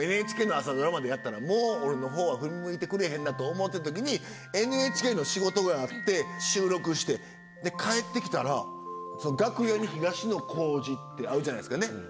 ＮＨＫの朝ドラまでやったらもう俺のほうは振り向いてくれへんなと思ってたときにＮＨＫの仕事があって収録して帰ってきたら楽屋に「東野幸治」ってあるじゃないですかね。